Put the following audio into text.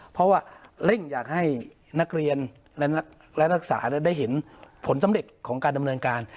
เพราะว่าเร่งอยากให้นักเรียนและนักศึกษาได้เห็นผลสำเร็จของการดำเนินการ